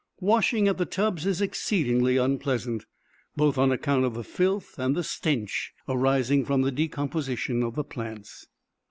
Washing at the tubs is exceedingly unpleasant, both on account of the filth and the stench arising from the decomposition of the plants.